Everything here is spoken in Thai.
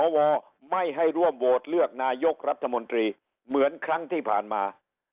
วไม่ให้รววดเลือกนายกรัฐมนตรีเหมือนที่ผ่านมา